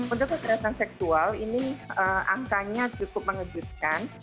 untuk kekerasan seksual ini angkanya cukup mengejutkan